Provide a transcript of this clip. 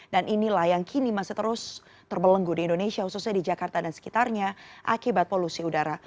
dan inilah yang kini masih terus terbelenggu di indonesia khususnya di jakarta dan sekitarnya akibat polusi udara